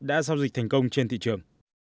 đã giao dịch thành công trên thị trường